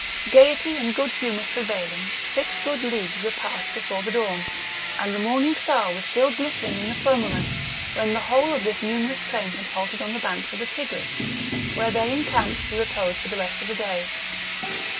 Gaiety and good humour prevailing, six good leagues were past before the dawn; and the morning star was still glittering in the firmament when the whole of this numerous train had halted on the banks of the Tigris, where they encamped to repose for the rest of the day.